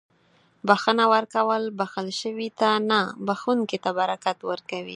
• بښنه ورکول بښل شوي ته نه، بښونکي ته برکت ورکوي.